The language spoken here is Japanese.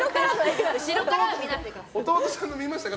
弟さんの見ましたか？